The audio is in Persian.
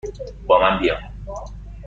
با من بیا!